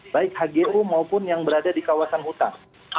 baik hgu maupun yang berada di kawasan hutan